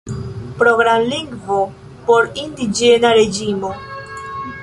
Programlingvo por indiĝena reĝimo.